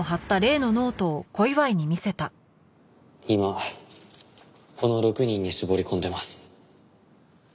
今この６人に絞り込んでます。